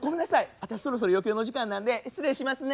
私そろそろ余興の時間なんで失礼しますね。